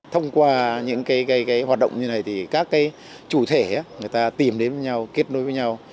thông qua những hoạt động như này thì các chủ thể người ta tìm đến với nhau kết nối với nhau